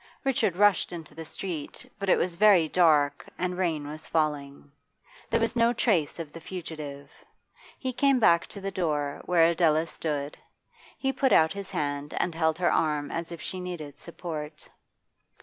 Richard rushed into the street, but it was very dark, and rain was falling. There was no trace of the fugitive. He came back to the door, where Adela stood; he put out his hand and held her arm as if she needed support.